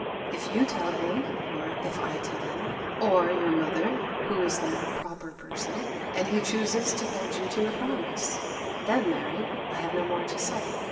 If you tell him, or if I tell him, or your mother, who is the more proper person, and he chooses to hold you to your promise, then, Mary, I have no more to say.